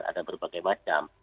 ada berbagai macam